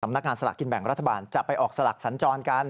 นักงานสละกินแบ่งรัฐบาลจะไปออกสลักสัญจรกัน